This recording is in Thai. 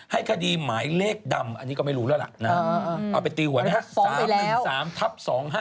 ให้คดีหมายเลขดำอันนี้ก็ไม่รู้แล้วล่ะนะเอาไปตีหัวนะฮะ๓๑๓ทับ๒๕๖